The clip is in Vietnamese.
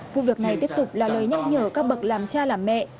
vụ việc này tiếp tục là lời nhắc nhở các bậc làm cha làm mẹ